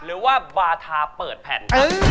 หรือว่าบาทาเปิดแผ่น